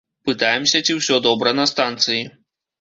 Пытаемся, ці ўсё добра на станцыі.